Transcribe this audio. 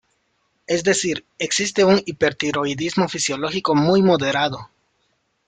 Es decir, existe un hipertiroidismo fisiológico muy moderado.